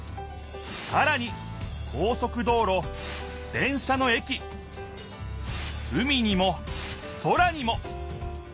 さらに高そく道ろ電車のえき海にも空にも！